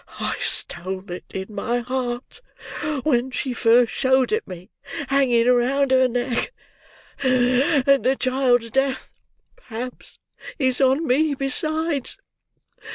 I stole it in my heart when she first showed it me hanging round her neck; and the child's death, perhaps, is on me besides!